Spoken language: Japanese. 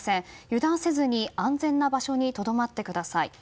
油断せずに安全な場所にとどまってください。